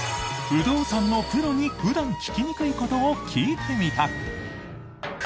不動産のプロに、普段聞きにくいことを聞いてみた。